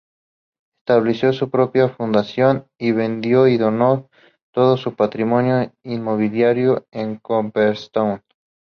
Estableció su propia fundación y vendió y donó todo su patrimonio inmobiliario en Cooperstown.